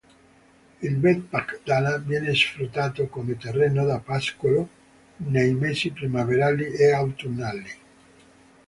Il Betpak-Dala viene sfruttato come terreno da pascolo nei mesi primaverili e autunnali.